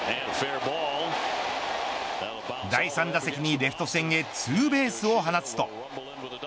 第３打席にレフト線へツーベースを放つと。